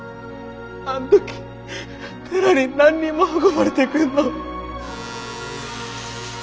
あん時寺に何人も運ばれてくんの。